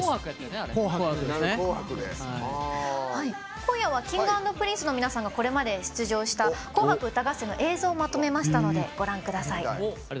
今夜はＫｉｎｇ＆Ｐｒｉｎｃｅの皆さんがこれまで出場した「紅白歌合戦」の映像をまとめました。